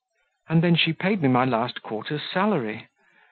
And then she paid me my last quarter's salary.